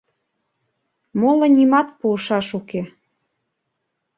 Моло нимат пуышаш уке...